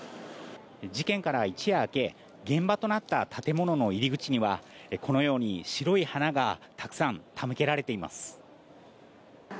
事件から一夜明け現場となった建物の入り口にはこのように白い花がたくさん手向けられています。